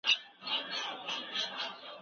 اعتدال د هر څه بنسټ دی.